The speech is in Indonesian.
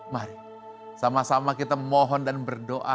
mari sama sama kita mohon dan berdoa